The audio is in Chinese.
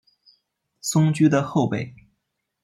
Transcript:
松驹的后辈。